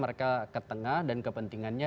mereka ke tengah dan kepentingannya